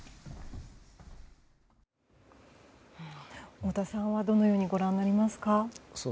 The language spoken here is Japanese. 太田さんはどのようにご覧になりますか。